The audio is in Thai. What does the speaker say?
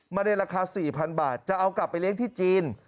ในราคา๔๐๐๐บาทจะเอากลับไปเลี้ยงที่จีน